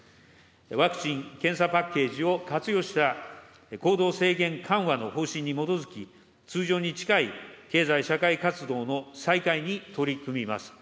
ワクチン・検査パッケージを活用した、行動制限緩和の方針に基づき、通常に近い経済社会活動の再開に取り組みます。